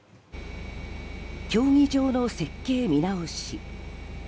競技場の設計見直し。